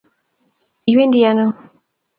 iwendi ano?